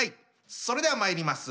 それではまいります。